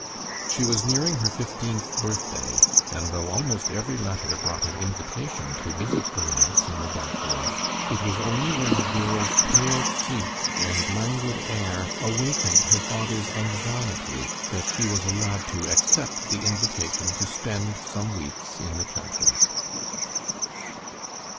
She was nearing her fifteenth birthday, and though almost every letter brought an invitation to visit the manse in the backwoods, it was only when the girl's pale cheek and languid air awakened her father's anxiety that she was allowed to accept the invitation to spend some weeks in the country.